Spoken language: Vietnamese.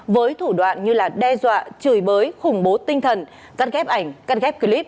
với thủ đoạn như đe dọa chửi bới khủng bố tinh thần gắt ghép ảnh gắt ghép clip